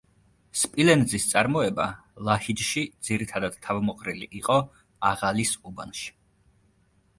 სპილენძის წარმოება ლაჰიჯში ძირითადად თავმოყრილი იყო „აღალის“ უბანში.